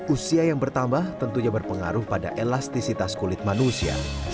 usia yang bertambah tentunya berpengaruh pada elastisitas kulit manusia